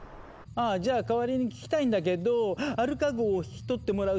ああじゃあ代わりに聞きたいんだけどアルカ号を引き取ってもらう日にちを決めたいの。